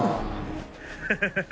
ハハハハ！